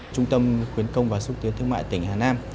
trung tâm khuyến công và xúc tiến thương mại tỉnh hà nam